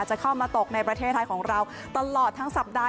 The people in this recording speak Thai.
จะเข้ามาตกในประเทศไทยของเราตลอดทั้งสัปดาห